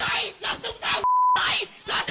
อาศัพท์